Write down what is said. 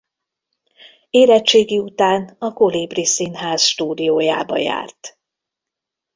Érettségi után a Kolibri Színház stúdiójába járt.